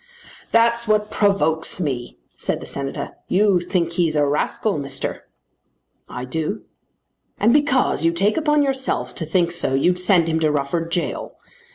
"That's what provokes me," said the Senator. "You think he's a rascal, Mister." "I do." "And because you take upon yourself to think so you'd send him to Rufford gaol!